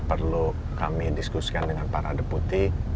ya seperti tadi saya sudah berusaha untuk menguruskan dengan para deputi